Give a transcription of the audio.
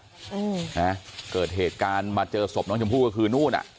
อืมนะเกิดเหตุการณ์มาเจอศพน้องชมพู่ก็คือนู่นอ่ะ